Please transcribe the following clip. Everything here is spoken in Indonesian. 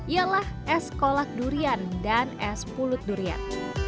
ialah es kolak durian dan es pulut durian